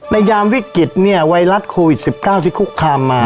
ยามวิกฤตเนี่ยไวรัสโควิด๑๙ที่คุกคามมา